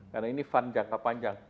karena ini fund jangka panjang